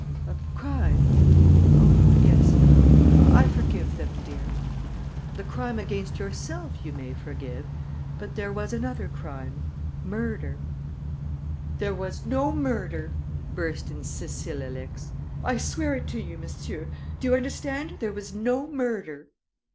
"A crime? Oh, yes; but I forgive them, dear." "The crime against yourself you may forgive; but there was another crime murder " "There was no murder!" burst in Cécile Alix. "I swear it to you, monsieur. Do you understand? There was no murder!"